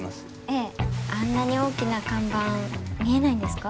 ええあんなに大きな看板見えないんですか？